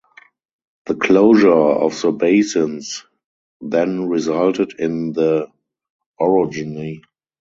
The closure of the basins then resulted in the orogeny.